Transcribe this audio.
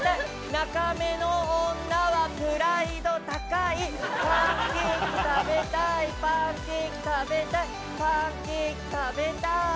「中目の女はプライド高い」「パンケーキ食べたいパンケーキ食べたい」「パンケーキ食べたい」